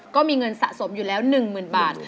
ก็มีเงินสะสมอยู่แล้ว๑๐๐๐บาท